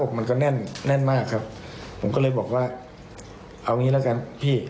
มันก็แน่นแน่นมากครับผมก็เลยบอกว่าเอางี้แล้วกันพี่